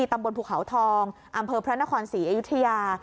ตำบลภูเขาทองอำเภอพระนครศรีอยุธยา